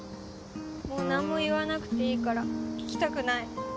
もうなんも言わなくていいから聞きたくない。